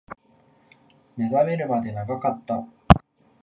目覚めるまで長かった